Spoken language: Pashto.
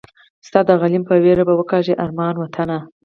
ستا د غلیم په ویر به وکاږي ارمان وطنه